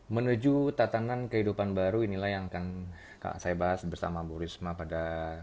menuju tatanan kehidupan baru inilah yang akan saya bahas bersama bu risma pada